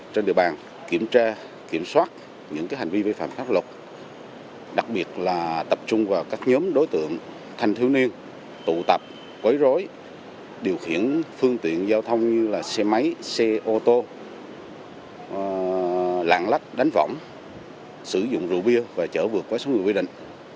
trên địa bàn kiểm tra kiểm soát những hành vi vi phạm pháp luật đặc biệt là tập trung vào các nhóm đối tượng thành thiếu niên tụ tập quấy rối điều khiển phương tiện giao thông như là xe máy xe ô tô lạng lách đánh võng sử dụng rượu bia và chở vượt với số người quy định